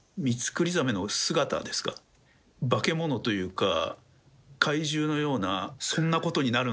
化け物というか怪獣のようなそんなことになる